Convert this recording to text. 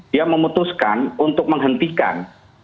dia memutuskan untuk menghentikan